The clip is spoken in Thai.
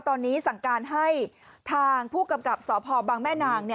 ตอนนี้สั่งการให้ทางผู้กำกับสพบังแม่นาง